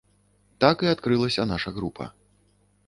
Так і адкрылася наша група.